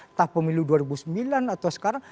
entah pemilu dua ribu sembilan atau sekarang